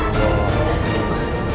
ternyata tanahannya panas